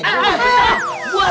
buat apaan pak dokter